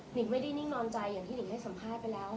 นิ่งไม่ได้นิ่งนอนใจอย่างที่หนิงให้สัมภาษณ์ไปแล้ว